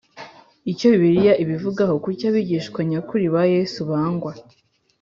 Icyo Bibiliya ibivugaho Kuki abigishwa nyakuri ba Yesu bangwa